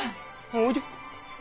おいで。